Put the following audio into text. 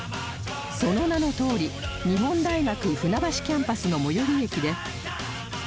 その名のとおり日本大学船橋キャンパスの最寄り駅で